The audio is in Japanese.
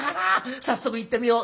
早速行ってみよう。